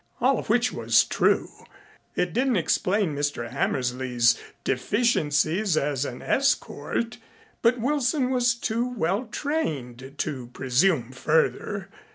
All of which was true. It didn't explain Mr. Hammersley's deficiencies as an escort, but Wilson was too well trained to presume further.